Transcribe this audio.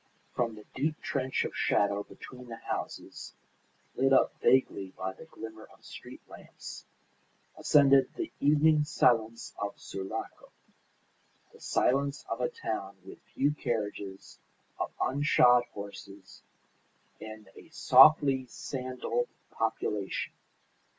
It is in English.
From the deep trench of shadow between the houses, lit up vaguely by the glimmer of street lamps, ascended the evening silence of Sulaco; the silence of a town with few carriages, of unshod horses, and a softly sandalled population.